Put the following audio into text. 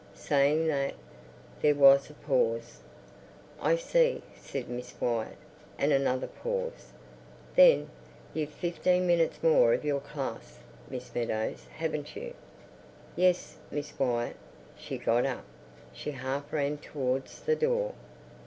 saying that—" There was a pause. "I see," said Miss Wyatt. And another pause. Then—"You've fifteen minutes more of your class, Miss Meadows, haven't you?" "Yes, Miss Wyatt." She got up. She half ran towards the door.